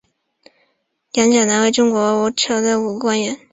杨钾南为中国清朝武官官员。